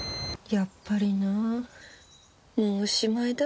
やっぱりなもうおしまいだ。